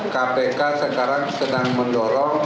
kpk sekarang sedang mendorong